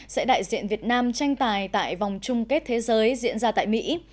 sẽ đại diện việt nam tranh tài tại vòng chung kết thế giới diễn ra tại mỹ